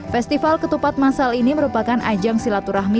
festival ketupat masal ini merupakan ajang silaturahmi